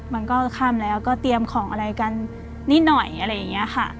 มันก็ข้ามแล้วก็เตรียมของอะไรกันนิดหน่อยอะไรอย่างนี้ค่ะ